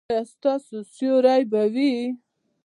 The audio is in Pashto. ایا ستاسو سیوری به وي؟